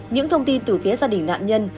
những thông tin từ phía gia đình nạn nhân